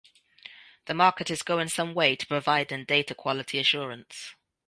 The market is going some way to providing data quality assurance.